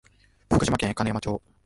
福島県金山町